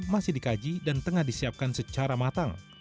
masih dikaji dan tengah disiapkan secara matang